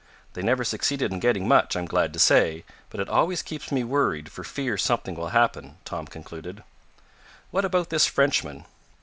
"They never succeeded in getting much, I'm glad to say, but it always keeps me worried for fear something will happen," Tom concluded. "But about this Frenchman?"